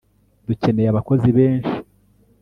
dukeneye abakozi benshi